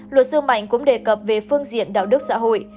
luật sư mạnh cũng đề cập về phương diện đạo đức xã hội